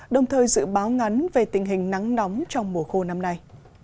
đồng thời dự báo ngắn về tình hình nắng nóng trong mùa khô năm nay